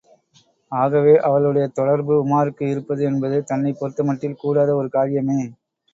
ஆகவே அவளுடைய தொடர்பு உமாருக்கு இருப்பது என்பது தன்னைப் பொறுத்தமட்டில் கூடாத ஒரு காரியமே!